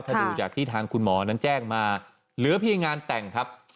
ถ้าดูจากที่ทางคุณหมอนั้นแจ้งมาเหลือเพียงงานแต่งครับ